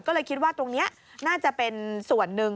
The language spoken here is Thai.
ก็เลยคิดว่าตรงนี้น่าจะเป็นส่วนหนึ่ง